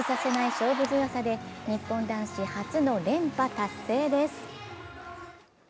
勝負強さで日本男子初の連覇達成です。